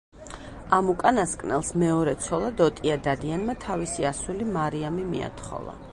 ამ უკანასკნელს მეორე ცოლად ოტია დადიანმა თავისი ასული მარიამი მიათხოვა.